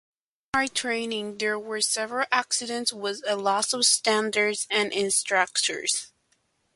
During flight training, there were several accidents with the loss of students and instructors.